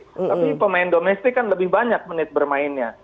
tapi pemain domestik kan lebih banyak menit bermainnya